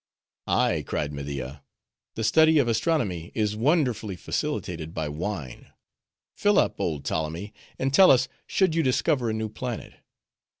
"Ay," cried Media, "the study of astronomy is wonderfully facilitated by wine. Fill up, old Ptolemy, and tell us should you discover a new planet.